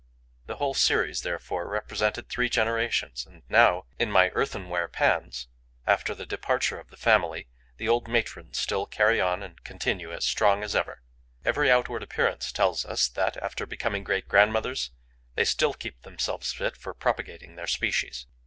The whole series, therefore, represented three generations. And now, in my earthenware pans, after the departure of the family, the old matrons still carry on and continue as strong as ever. Every outward appearance tells us that, after becoming great grandmothers, they still keep themselves fit for propagating their species.